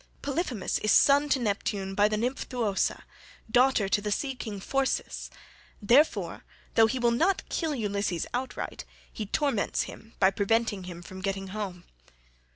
Polyphemus is son to Neptune by the nymph Thoosa, daughter to the sea king Phorcys; therefore though he will not kill Ulysses outright, he torments him by preventing him from getting home.